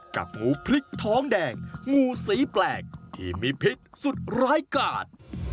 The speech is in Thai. กับงูพริกท้องแดงงูสีแปลกที่มีพิษสุดร้ายกาด